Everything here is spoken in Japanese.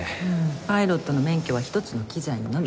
パイロットの免許は１つの機材のみ。